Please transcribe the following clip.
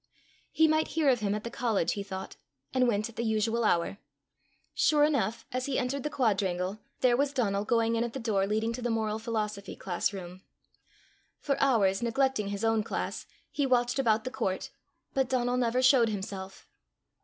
He might hear of him at the college, he thought, and went at the usual hour. Sure enough, as he entered the quadrangle, there was Donal going in at the door leading to the moral philosophy class room. For hours, neglecting his own class, he watched about the court, but Donal never showed himself.